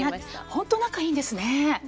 ほんと仲いいんですね。